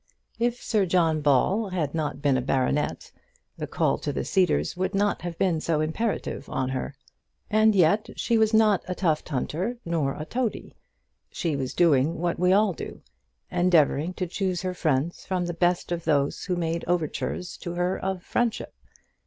If Sir John Ball had not been a baronet, the call to the Cedars would not have been so imperative on her. And yet she was not a tufthunter, nor a toady. She was doing what we all do, endeavouring to choose her friends from the best of those who made overtures to her of friendship.